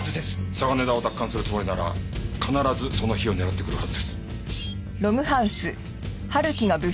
嵯峨根田を奪還するつもりなら必ずその日を狙ってくるはずです。